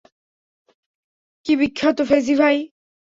কি বিখ্যাত, ফেজি ভাই?